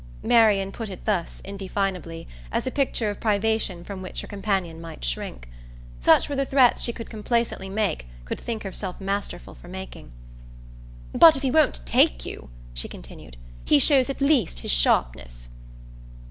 Marian put it thus, indefinably, as a picture of privation from which her companion might shrink. Such were the threats she could complacently make, could think herself masterful for making. "But if he won't take you," she continued, "he shows at least his sharpness."